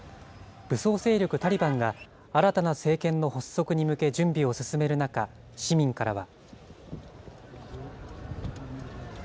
武装勢力タリバンが、新たな政権の発足に向け準備を進める中、市民からは。